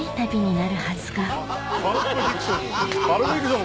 『パルプ・フィクション』